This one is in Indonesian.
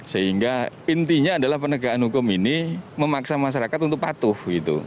sehingga intinya adalah penegakan hukum ini memaksa masyarakat untuk patuh